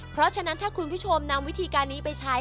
เพราะฉะนั้นถ้าคุณผู้ชมนำวิธีการนี้ไปใช้